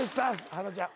花ちゃん